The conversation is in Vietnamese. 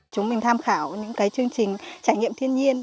chúng mình tham khảo những cái chương trình trải nghiệm thiên nhiên